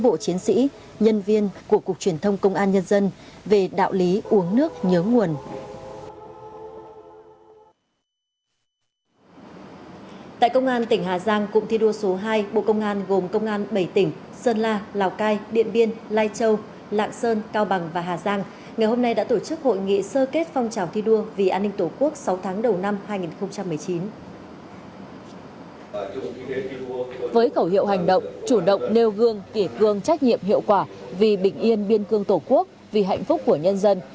với khẩu hiệu hành động chủ động nêu gương kể gương trách nhiệm hiệu quả vì bình yên biên cương tổ quốc vì hạnh phúc của nhân dân